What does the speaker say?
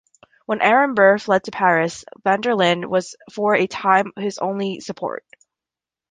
When Aaron Burr fled to Paris, Vanderlyn was for a time his only support.